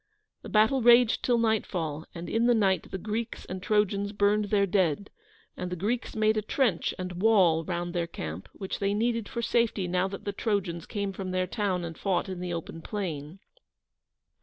The battle raged till nightfall, and in the night the Greeks and Trojans burned their dead; and the Greeks made a trench and wall round their camp, which they needed for safety now that the Trojans came from their town and fought in the open plain.